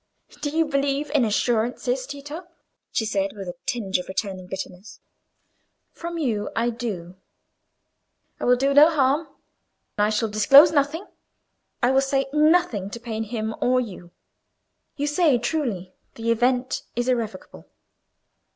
"Do you believe in assurances, Tito?" she said, with a tinge of returning bitterness. "From you, I do." "I will do you no harm. I shall disclose nothing. I will say nothing to pain him or you. You say truly, the event is irrevocable."